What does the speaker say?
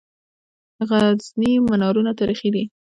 د غزني منارونه تاریخي دي